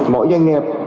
mỗi doanh nghiệp